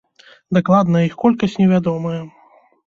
Дакладная іх колькасць невядомая.